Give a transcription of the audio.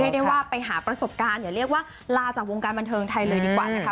ได้ว่าไปหาประสบการณ์อย่าเรียกว่าลาจากวงการบันเทิงไทยเลยดีกว่านะคะ